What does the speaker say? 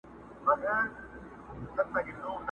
عاشقان د ترقۍ د خپل وطن یو!